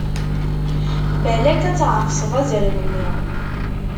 Balak ad tɛefseḍ azrem-nni!